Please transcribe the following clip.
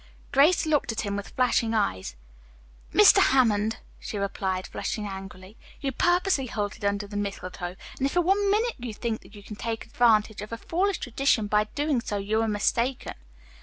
Grace looked at him with flashing eyes. "Mr. Hammond," she replied, flushing angrily, "you purposely halted under the mistletoe, and if for one minute you think that you can take advantage of a foolish tradition by so doing you are mistaken.